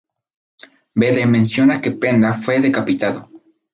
Bede menciona que Penda fue decapitado.